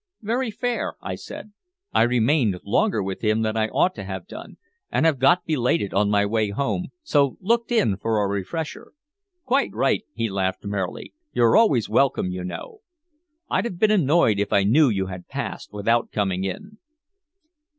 "Very fair," I said. "I remained longer with him than I ought to have done, and have got belated on my way home, so looked in for a refresher." "Quite right," he laughed merrily. "You're always welcome, you know. I'd have been annoyed if I knew you had passed without coming in."